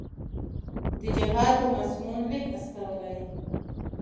د جهاد په مضمون لیک استولی.